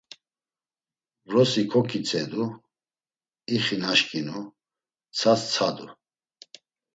Vrosi ǩoǩitzedu, ixi naşǩinu, mtsas tsadu.